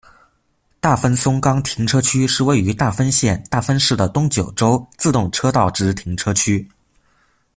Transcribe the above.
大分松冈停车区是位于大分县大分市的东九州自动车道之停车区。